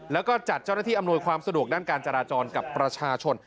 แล้วก็จัดเจ้าหน้าที่อำนวยความสะดวกด้านการจราจรกับประชาชน